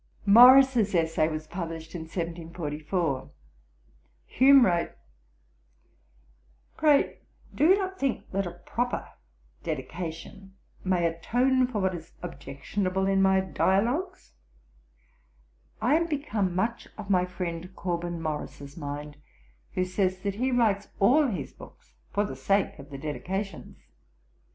Morris's Essay was published in 1744. Hume wrote: 'Pray do you not think that a proper dedication may atone for what is objectionable in my Dialogues'! I am become much of my friend Corbyn Morrice's mind, who says that he writes all his books for the sake of the dedications.'